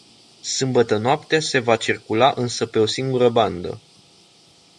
Sâmbătă noaptea se va circulă însă pe o singură bandă.